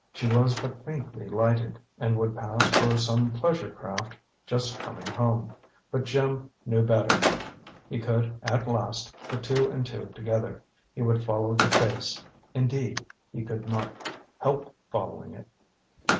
She was but faintly lighted, and would pass for some pleasure craft just coming home. But Jim knew better. He could, at last, put two and two together. He would follow the Face indeed, he could not help following it.